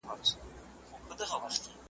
ورته مخ به د ناورين او جنازو وي `